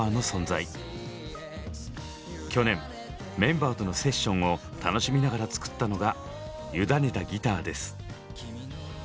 去年メンバーとのセッションを楽しみながら作ったのが「ゆだねたギター」です。